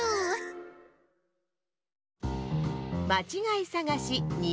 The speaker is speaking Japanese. まちがいさがし２